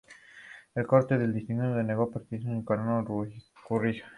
La corte del distrito le denegó la petición, y Cano recurrió.